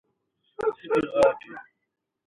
پوښتنه دا ده چې څنګه دا کافي وه؟